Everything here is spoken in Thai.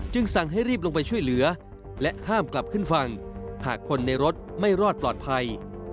สั่งให้รีบลงไปช่วยเหลือและห้ามกลับขึ้นฝั่งหากคนในรถไม่รอดปลอดภัย